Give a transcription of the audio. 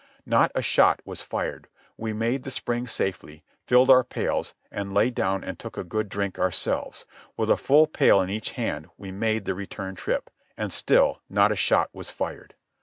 Not a shot was fired. We made the spring safely, filled our pails, and lay down and took a good drink ourselves. With a full pail in each hand we made the return trip. And still not a shot was fired.